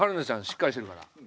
しっかりしてるから。